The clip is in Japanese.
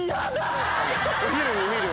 お昼に見る